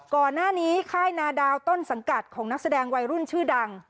ก่อนหน้านี้ค่ายนาดาวต้นสังกัดของนักแสดงวัยรุ่นชื่อดัง